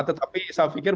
tetapi saya pikir